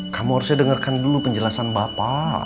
kamu harusnya dengarkan dulu penjelasan bapak